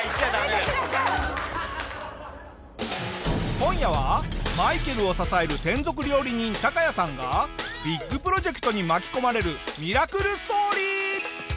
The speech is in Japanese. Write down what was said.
今夜はマイケルを支える専属料理人タカヤさんがビッグプロジェクトに巻き込まれるミラクルストーリー！